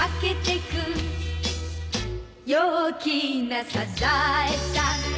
「陽気なサザエさん」